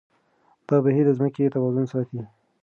دا بهير د ځمکې توازن ساتي.